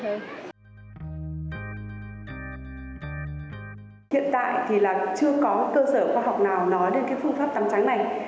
hiện tại thì là chưa có cơ sở khoa học nào nói đến cái phương pháp tắm trắng này